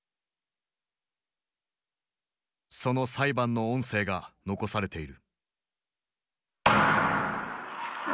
その裁判の音声が残されている。